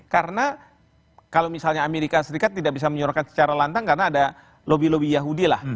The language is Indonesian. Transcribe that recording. karena kalau misalnya amerika serikat tidak bisa menyuarakan secara lantang karena ada lobby lobby yahudi lah